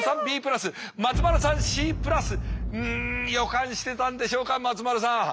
うん予感してたんでしょうか松丸さん。